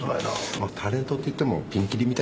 まあタレントって言ってもピンキリみたいですから。